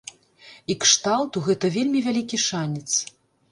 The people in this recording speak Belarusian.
І кшталту, гэта вельмі вялікі шанец.